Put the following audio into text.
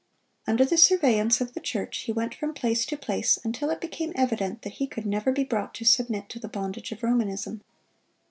Under the surveillance of the church he went from place to place, until it became evident that he could never be brought to submit to the bondage of Romanism.